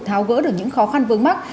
tháo gỡ được những khó khăn vương mắc